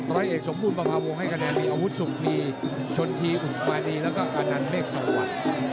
รอยเอกสมบูรณ์ปรับภาพวงให้กันนั้นมีอาวุธสุภีชนทีอุศมานีแล้วก็อันนั้นเมฆสวรรค